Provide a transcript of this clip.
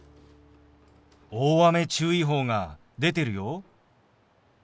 大雨注意報が出てるよ。